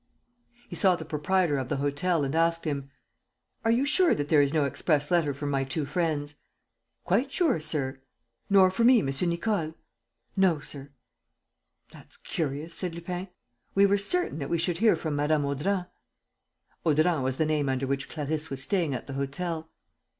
He saw the proprietor of the hotel and asked him: "Are you sure that there is no express letter for my two friends?" "Quite sure, sir." "Nor for me, M. Nicole?" "No, sir." "That's curious," said Lupin. "We were certain that we should hear from Mme. Audran." Audran was the name under which Clarisse was staying at the hotel.